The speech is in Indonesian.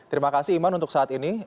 terima kasih iman untuk saat ini